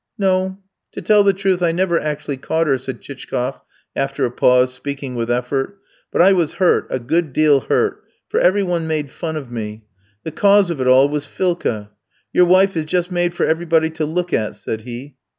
"No; to tell the truth, I never actually caught her," said Chichkoff after a pause, speaking with effort; "but I was hurt, a good deal hurt, for every one made fun of me. The cause of it all was Philka. 'Your wife is just made for everybody to look at,' said he.